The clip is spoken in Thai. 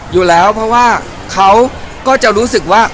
อยู่แล้วเพราะว่าเขาก็จะรู้สึกว่า